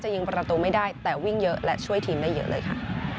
ยิงประตูไม่ได้แต่วิ่งเยอะและช่วยทีมได้เยอะเลยค่ะ